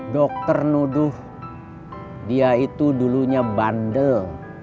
dokter nuduh dia itu dulunya bandel